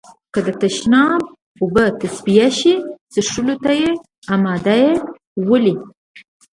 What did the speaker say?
که د تشناب اوبه تصفيه شي، څښلو ته يې آماده يئ؟ ولې؟